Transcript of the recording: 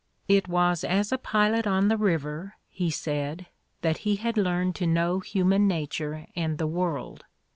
It was as a pilot on the river, he said, that he had learned to know human nature and the world.